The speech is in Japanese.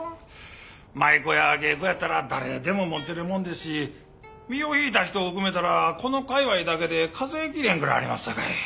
舞妓や芸妓やったら誰でも持ってるもんですし身を引いた人を含めたらこの界隈だけで数えきれへんぐらいありますさかい。